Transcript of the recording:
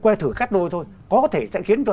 que thử cắt đôi thôi có thể sẽ khiến cho